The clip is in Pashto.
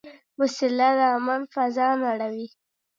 وسله د امن فضا نړوي